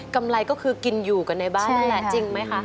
กำไรก็คือกินอยู่กันในบ้านนั่นแหละจริงไหมคะ